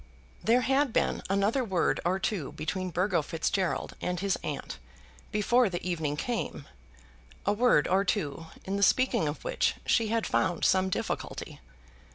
There had been another word or two between Burgo Fitzgerald and his aunt before the evening came, a word or two in the speaking of which she had found some difficulty.